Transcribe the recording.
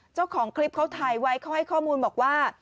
เจ้าของคลิปเขาถ่ายไว้เขาให้ข้อมูลบอกว่า